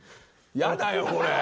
やだよこれ！